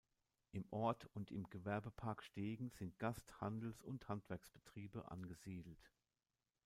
Im Ort und im Gewerbepark Stegen sind Gast-, Handels- und Handwerksbetriebe angesiedelt.